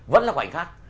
vẫn là khoảnh khắc